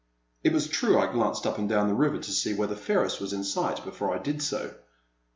It was true I glanced up and down the river to see whether Ferris was in sight before I did so.